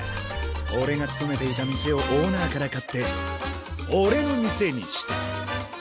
おれが勤めていた店をオーナーから買っておれの店にした。